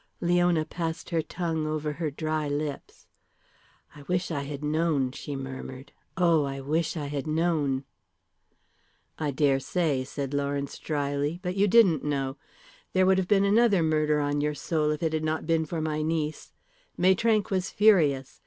Leona passed her tongue over her dry lips. "I wish I had known," she murmured. "Oh, I wish I had known." "I dare say," said Lawrence, drily, "but you didn't know. There would have been another murder on your soul had it not been for my niece. Maitrank was furious.